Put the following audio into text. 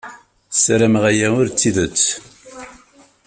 Ssarameɣ aya ur d tidet.